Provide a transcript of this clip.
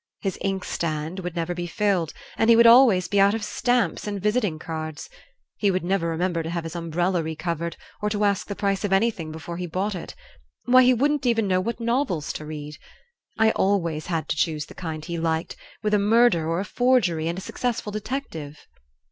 His inkstand would never be filled, and he would always be out of stamps and visiting cards. He would never remember to have his umbrella re covered, or to ask the price of anything before he bought it. Why, he wouldn't even know what novels to read. I always had to choose the kind he liked, with a murder or a forgery and a successful detective."